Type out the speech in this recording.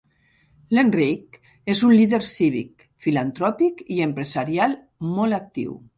L'Enric, és un líder cívic, filantròpic i empresarial molt actiu.